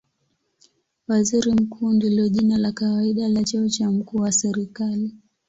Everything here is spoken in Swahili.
Waziri Mkuu ndilo jina la kawaida la cheo cha mkuu wa serikali.